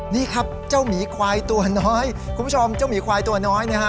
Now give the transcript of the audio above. นี่ครับเจ้าหมีควายตัวน้อยคุณผู้ชมเจ้าหมีควายตัวน้อยนะฮะ